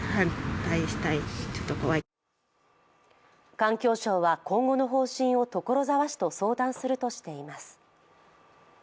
環境省は今後の方針を所沢市と相談するとしています。